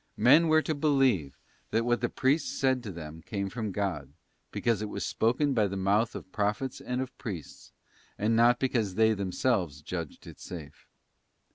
Men were to believe that what the priests said to them came from God, because it was spoken by the mouth of pro phets and of priests, and not because they themselves judged it safe.